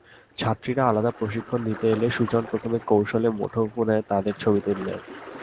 ছাত্রীরা আলাদা প্রশিক্ষণ নিতে এলে সুজন প্রথমে কৌশলে মুঠোফোনে তাঁদের ছবি তুলতেন।